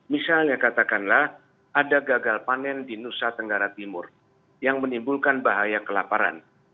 misalnya katakanlah ada gagal panen di nusa tenggara timur yang menimbulkan bahaya kelaparan